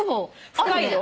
深いよ。